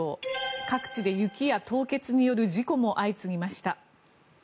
各地で雪や凍結による事故も相次ぎました。